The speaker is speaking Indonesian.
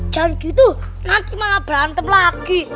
jangan gitu nanti malah berantem lagi